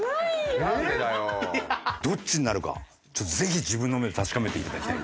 どっちになるかぜひ自分の目で確かめていただきたいと思います。